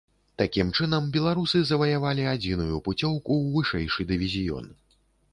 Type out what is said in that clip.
Такім чынам беларусы заваявалі адзіную пуцёўку ў вышэйшы дывізіён.